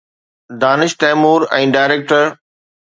Danish Taimur ۽ director